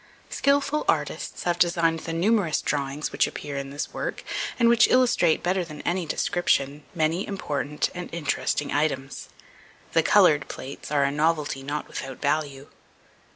Skilful artists have designed the numerous drawings which appear in this work, and which illustrate, better than any description, many important and interesting items. The coloured plates are a novelty not without value.